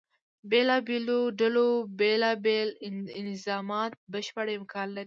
بېلابېلو ډلو بیلا بیل انظامات بشپړ امکان لري.